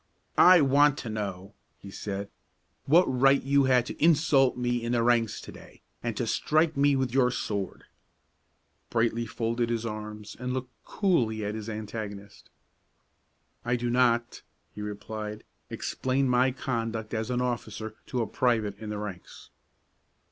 "I want to know," he said, "what right you had to insult me in the ranks to day, and to strike me with your sword?" Brightly folded his arms, and looked coolly at his antagonist. "I do not," he replied, "explain my conduct as an officer to a private in the ranks."